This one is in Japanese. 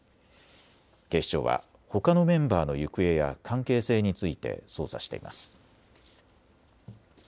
警視庁はほかのメンバーの行方や関係性について捜査しています。